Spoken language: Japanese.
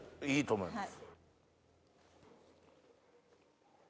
いいと思います。